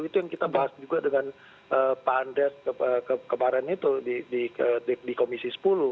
itu yang kita bahas juga dengan pak andres kemarin itu di komisi sepuluh